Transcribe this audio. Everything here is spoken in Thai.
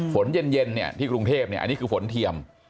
ฝนเย็นที่กรุงเทพอันนี้คือฝนเทียม